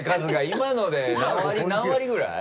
今ので何割ぐらい？